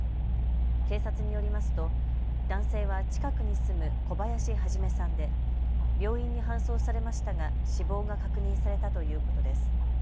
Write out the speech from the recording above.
警察によりますと男性は近くに住む小林一さんで病院に搬送されましたが死亡が確認されたということです。